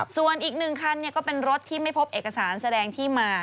ส่วนอีก๑คันก็เป็นรถที่ไม่พบเอกสารแสดงที่มา